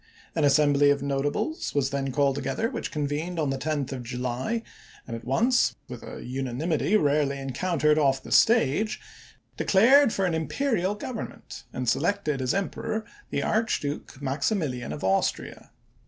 An assembly of notables was then 1863 called together, which convened on the 10th of July, and at once, with a unanimity rarely encountered off the stage, declared for an imperial government and selected as emperor the Archduke Maximilian of Austria.